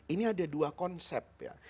ini ada dua konsep ya